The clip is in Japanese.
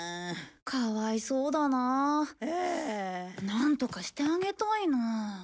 なんとかしてあげたいなあ。